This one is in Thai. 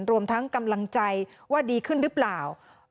รวมทั้งกำลังใจว่าดีขึ้นหรือเปล่า